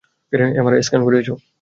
MRI scan করিয়েছ?